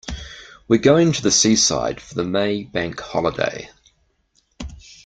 We're going to the seaside for the May bank holiday